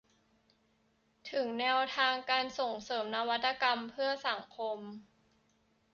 ถึงแนวทางการส่งเสริมนวัตกรรมเพื่อสังคม